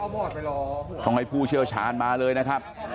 ต้องลงไปเห็นผู้เชื่อชาร์จมาเลยนะครับ